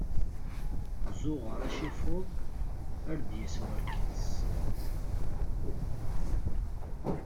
Zzuɣer acifuḍ, ar d-yas-warkas.